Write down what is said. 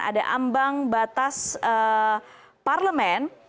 ada ambang batas parlemen